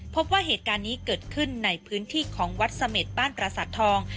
พบว่าเหตุการณ์นี้เกิดขึ้นในพื้นที่ของวัดเสม็ดบ้านประสาททอง